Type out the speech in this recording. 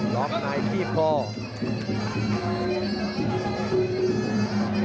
ล้อมนายทีพพ่อ